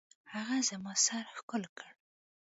هغه زما سر ښکل کړ.